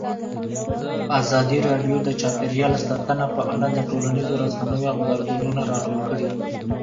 ازادي راډیو د چاپیریال ساتنه په اړه د ټولنیزو رسنیو غبرګونونه راټول کړي.